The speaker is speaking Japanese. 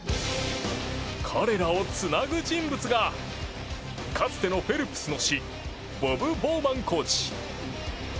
彼らをつなぐ人物がかつてのフェルプスの師ボブ・ボウマンコーチ。